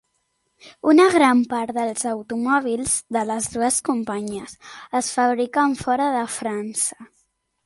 Una gran part dels automòbils de les dues companyies es fabriquen fora de França.